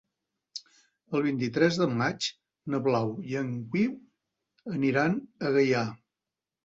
El vint-i-tres de maig na Blau i en Guiu aniran a Gaià.